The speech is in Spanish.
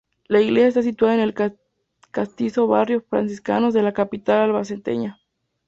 La iglesia está situada en el castizo barrio Franciscanos de la capital albaceteña.